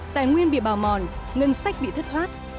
tài nguyên bị bào mòn ngân sách bị thất thoát